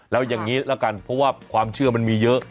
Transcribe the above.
แล้วอย่างนี้ละกันเพราะว่าความเชื่อมันมีเยอะ